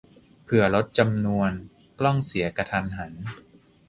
เผื่อลดจำนวน "กล้องเสียกะทันหัน"